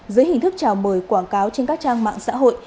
dưới hình thức trào mời quảng cáo trên các trang mạng xã hội